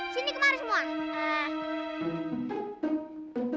sini kemari semua